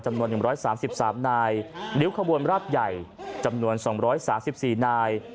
จำนวน๑๓๓นายริ้วขบวนราบใหญ่จำนวน๒๓๔นาย